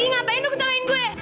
ih ngapain lu kucamain gue